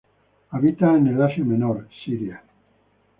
Habita en Asia Menor, Siria.